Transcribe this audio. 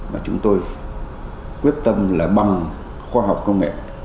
và chúng tôi quyết tâm là bằng khoa học công nghệ